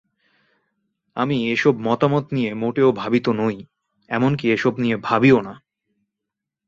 আমি এসব মতামত নিয়ে মোটেও ভাবিত নই, এমনকি এসব নিয়ে ভাবিও না।